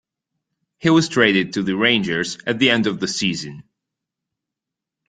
He was traded to the Rangers at the end of the season.